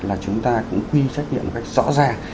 là chúng ta cũng quy trách nhiệm một cách rõ ràng